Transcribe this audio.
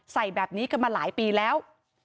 ใส่แบบนี้กันมาหลายปีแล้ว